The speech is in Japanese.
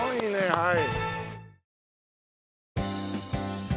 はい。